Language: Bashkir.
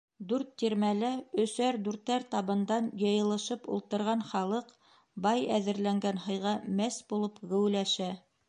Дүрт тирмәлә өсәр, дүртәр табындан йыйылышып ултырған халыҡ бай әҙерләгән һыйға мәс булып геүләшә.